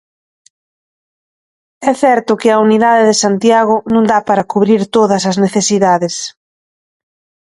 É certo que a unidade de Santiago non dá para cubrir todas as necesidades.